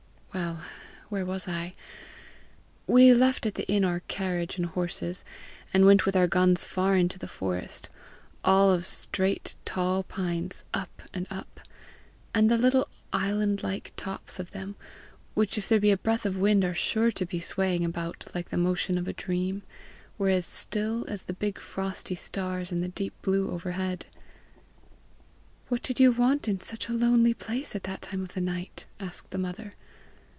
"Well where was I? We left at the inn our carriage and horses, and went with our guns far into the forest all of straight, tall pines, up and up; and the Little island like tops of them, which, if there be a breath of wind, are sure to be swaying about like the motion of a dream, were as still as the big frosty stars in the deep blue overhead." "What did you want in such a lonely place at that time of the night?" asked the mother.